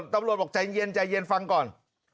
ตำรวจบอกใจเย็นฟังก่อน